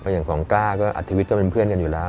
อย่างของกล้าก็อัธวิทย์ก็เป็นเพื่อนกันอยู่แล้ว